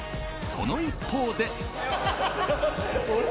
その一方で。